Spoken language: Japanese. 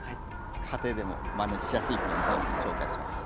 家庭でもまねしやすいポイントを紹介します。